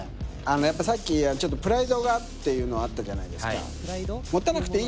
さっきちょっとプライドがっていうのあったじゃないですか。